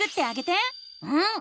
うん！